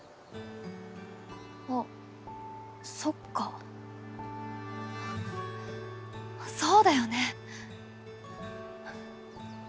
あっそっかそうだよね。